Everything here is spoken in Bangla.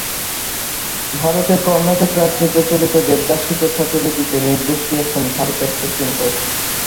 ভারতের কর্ণাটক রাজ্যে প্রচলিত দেবদাসী প্রথা তুলে দিতে নির্দেশ দিয়েছেন ভারতের সুপ্রিম কোর্ট।